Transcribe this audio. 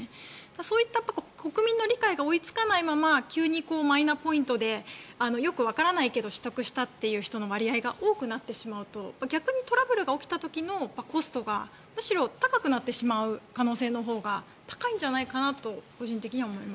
そういった国民の理解が追いつかないまま急にマイナポイントでよくわからないけど取得したという人の割合が多くなってしまうと逆にトラブルが起きた時のコストがむしろ高くなってしまう可能性のほうが高いんじゃないかなと個人的には思います。